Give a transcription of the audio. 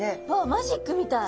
マジックみたい！